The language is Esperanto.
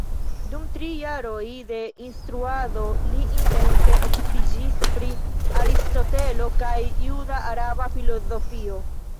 Dum tri jaroj de instruado li intense okupiĝis pri Aristotelo kaj juda-araba filozofio.